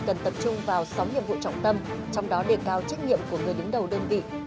cần tập trung vào sáu nhiệm vụ trọng tâm trong đó đề cao trách nhiệm của người đứng đầu đơn vị